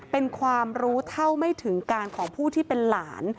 เป็นความรู้เท่าไม่ถึงการของผู้ที่เป็นหลาน